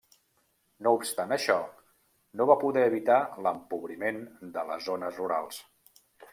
No obstant això, no va poder evitar l'empobriment de les zones rurals.